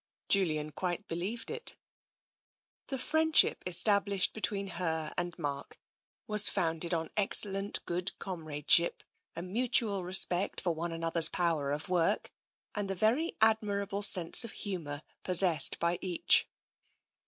Julian quite believed it. The friendship established between her and Mark was founded on excellent good comradeship, a mutual respect for one another's power of work, and the very admirable sense of humour possessed by each.